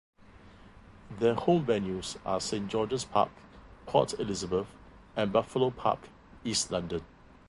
Their home venues are Saint George's Park, Port Elizabeth and Buffalo Park, East London.